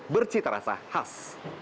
bercita rasa khas